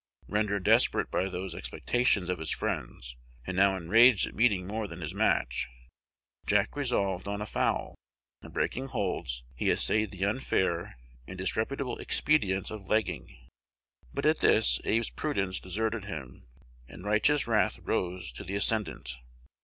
Rendered desperate by these expectations of his friends, and now enraged at meeting more than his match, Jack resolved on "a foul," and, breaking holds, he essayed the unfair and disreputable expedient of "legging." But at this Abe's prudence deserted him, and righteous wrath rose to the ascendent.